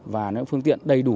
và phương tiện đầy đủ